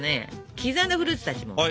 刻んだフルーツたちも。